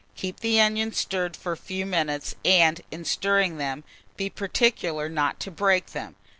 Keep the onions stirred for a few minutes, and, in stirring them, be particular not to break them.